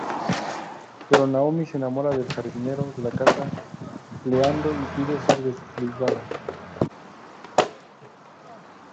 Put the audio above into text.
Pero, Naomi se enamora del jardinero de la casa, Leandro y pide ser desligada.